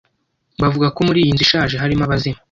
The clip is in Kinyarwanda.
Bavuga ko muri iyi nzu ishaje harimo abazimu.